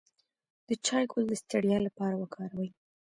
د چای ګل د ستړیا لپاره وکاروئ